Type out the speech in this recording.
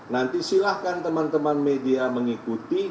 nanti silahkan teman teman media mengikuti